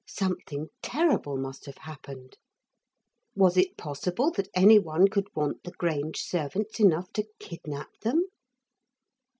Something terrible must have happened. Was it possible that any one could want the Grange servants enough to kidnap them?